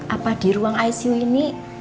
apa di ruang icu ini